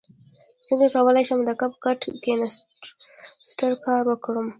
څنګه کولی شم د کپ کټ او کینوسټر کار وکړم